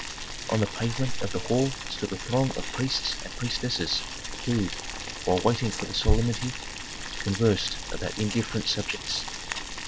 On the pavement of the hall stood a throng of priests and priestesses who, while waiting for the solemnity, conversed about indifferent subjects.